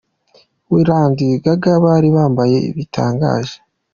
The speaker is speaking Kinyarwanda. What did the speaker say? We na Lady Gaga bari bambaye bitangaje.